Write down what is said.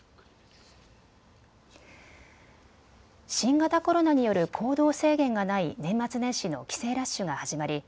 新型コロナによる行動制限がない年末年始の帰省ラッシュが始まり